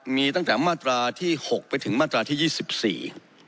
มีตั้งแต่มาตราที่๖ไปถึงมาตราที่๒๔